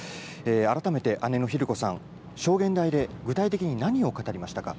改めて姉のひで子さん、証言台で具体的に何を語りましたか。